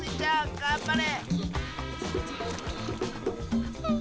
がんばれ！